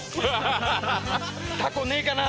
タコねえかな？